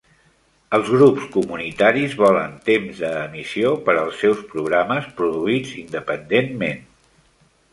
Els grups comunitaris volen temps d'emissió per als seus programes produïts independentment.